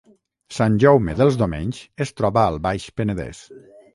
Sant Jaume dels Domenys es troba al Baix Penedès